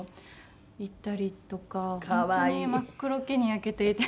行ったりとか本当に真っ黒けに焼けていて。